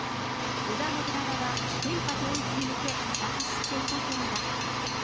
織田信長が天下統一に向け、ひた走っていたころだ。